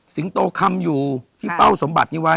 โตคำอยู่ที่เป้าสมบัตินี้ไว้